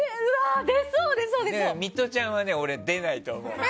ミトちゃんは出ないと思う。